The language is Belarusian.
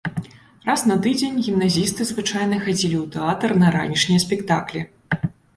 Раз на тыдзень гімназісты звычайна хадзілі ў тэатр на ранішнія спектаклі.